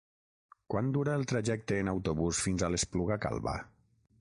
Quant dura el trajecte en autobús fins a l'Espluga Calba?